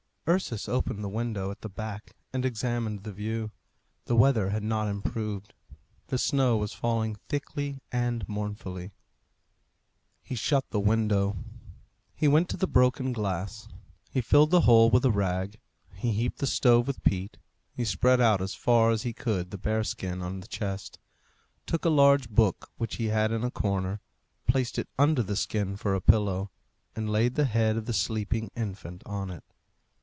Ursus opened the window at the back and examined the view. The weather had not improved. The snow was falling thickly and mournfully. He shut the window. He went to the broken glass; he filled the hole with a rag; he heaped the stove with peat; he spread out as far as he could the bear skin on the chest; took a large book which he had in a corner, placed it under the skin for a pillow, and laid the head of the sleeping infant on it.